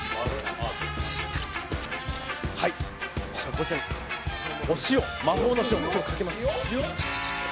こちらにお塩、魔法の塩、かけます。